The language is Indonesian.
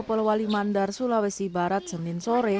polewali mandar sulawesi barat senin sore